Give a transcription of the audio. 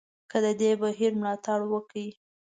که د دې بهیر ملاتړ وکړي.